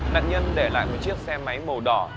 nạn nhân để lại một chiếc xe máy màu đỏ